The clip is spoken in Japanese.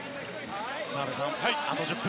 澤部さん、あと１０分。